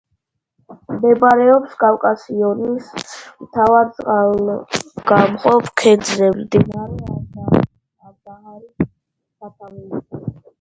მდებარეობს კავკასიონის მთავარ წყალგამყოფ ქედზე, მდინარე ავადჰარის სათავეებთან.